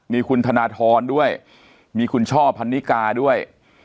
มีคุณธนทรด้วยมีคุณช่อพันนิกาด้วย